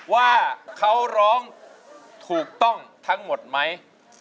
ว่าเขาร้องถูกต้องทั้งหมดไหม